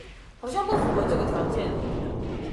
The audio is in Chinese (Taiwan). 好像不符合這個條件